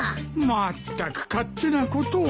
まったく勝手なことを。